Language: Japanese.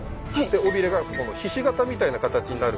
尾びれがここのひし形みたいな形になる。